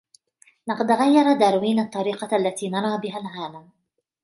لقد غيرَ داروين الطريقة التي نري بها العالم.